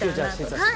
はい。